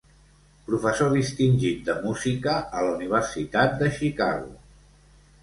Professor distingit de música a la Universitat de Chicago.